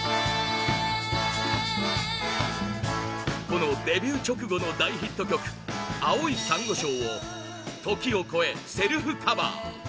このデビュー直後の大ヒット曲「青い珊瑚礁」を時を越えセルフカバー。